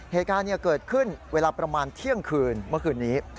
เหตุการณ์เกิดขึ้นเวลาประมาณเที่ยงคืนเมื่อคืนนี้